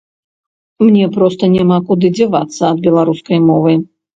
Мне проста няма куды дзявацца ад беларускай мовы.